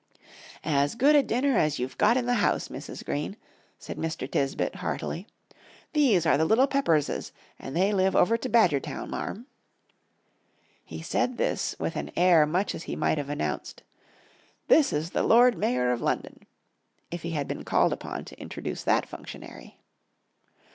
"As good a dinner as you've got in the house, Mrs. Green," said Mr. Tisbett, heartily; "these are the little Pepperses, and they live over to Badgertown, Marm." He said this with an air much as he might have announced, "This is the Lord Mayor of London," if he had been called upon to introduce that functionary.